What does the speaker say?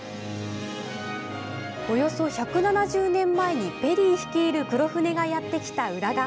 およそ１７０年前にペリー率いる黒船がやってきた浦賀。